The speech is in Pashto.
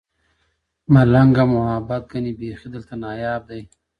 ملنګه ! محبت ګني بېخي دلته ناياب دی؟